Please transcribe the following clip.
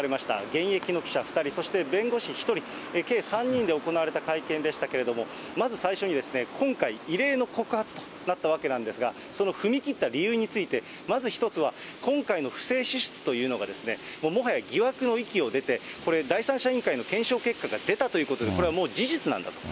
現役の記者２人、そして弁護士１人、計３人で行われた会見でしたけれども、まず最初に、今回、異例の告発となったわけなんですが、その踏み切った理由について、まず１つは、今回の不正支出というのが、もはや疑惑の域を出て、これ、第三者委員会の検証結果が出たということで、これはもう事実なんだと。